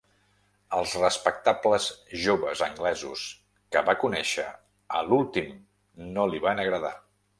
Els respectables joves anglesos que va conèixer a l'últim no li van agradar.